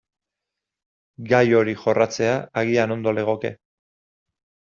Gai hori jorratzea agian ondo legoke.